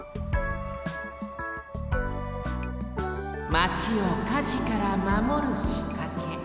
マチを火事からまもるしかけ。